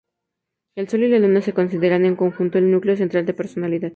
El Sol y la Luna se consideran, en conjunto, el núcleo central de personalidad.